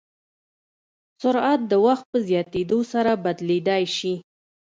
سرعت د وخت په زیاتېدو سره بدلېدای شي.